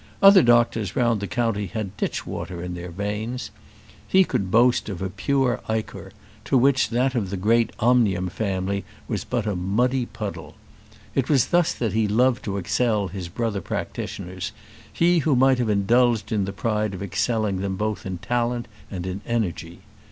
Other doctors round the county had ditch water in their veins; he could boast of a pure ichor, to which that of the great Omnium family was but a muddy puddle. It was thus that he loved to excel his brother practitioners, he who might have indulged in the pride of excelling them both in talent and in energy!